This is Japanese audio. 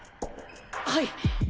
はい！